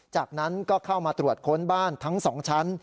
จากนั้นก็เข้ามาตรวจค้นบ้านทั้ง๒ชั้น